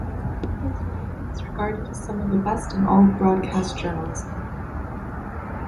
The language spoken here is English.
His writing is regarded as some of the best in all of broadcast journalism.